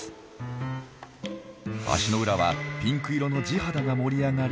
足の裏はピンク色の地肌が盛り上がり